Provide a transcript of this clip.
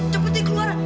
cepet nih keluar